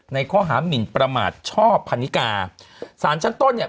ในข้อหามินประมาทช่อพันนิกาสารชั้นต้นเนี่ย